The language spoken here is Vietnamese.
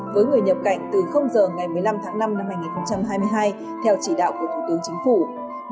với người nhập cảnh từ giờ ngày một mươi năm tháng năm năm hai nghìn hai mươi hai theo chỉ đạo của thủ tướng chính phủ